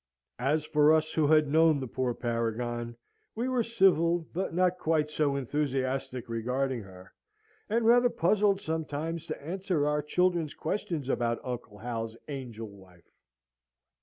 As for us, who had known the poor paragon, we were civil, but not quite so enthusiastic regarding her, and rather puzzled sometimes to answer our children's questions about Uncle Hal's angel wife.